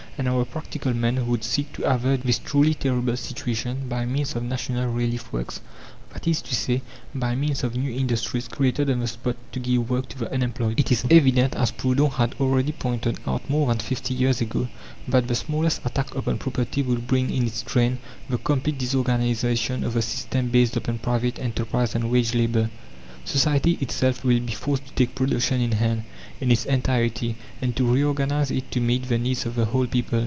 And our "practical men" would seek to avert this truly terrible situation by means of national relief works; that is to say, by means of new industries created on the spot to give work to the unemployed! It is evident, as Proudhon had already pointed out more than fifty years ago, that the smallest attack upon property will bring in its train the complete disorganization of the system based upon private enterprise and wage labour. Society itself will be forced to take production in hand, in its entirety, and to reorganize it to meet the needs of the whole people.